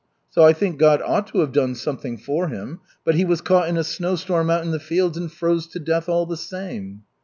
So I think God ought to have done something for him. But he was caught in a snowstorm out in the fields and froze to death all the same."